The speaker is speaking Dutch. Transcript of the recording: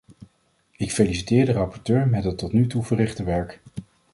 Ik feliciteer de rapporteur met het tot nu toe verrichte werk.